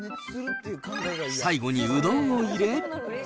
最後にうどんを入れ。